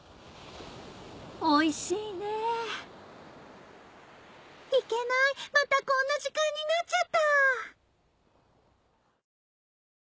おいしいねいけないまたこんな時間になっちゃった！